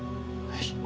はい。